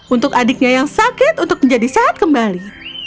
untuk adiknya yang sakit untuk menjadi sehat kembali